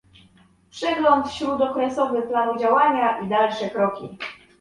przegląd śródokresowy planu działania i dalsze kroki